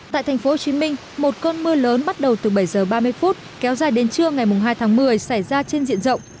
tại thành phố hồ chí minh một cơn mưa lớn bắt đầu từ bảy giờ ba mươi phút kéo dài đến trưa ngày hai tháng một mươi xảy ra trên diện rộng